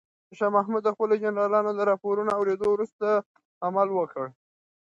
شاه محمود د خپلو جنرالانو د راپورونو اورېدو وروسته عمل وکړ.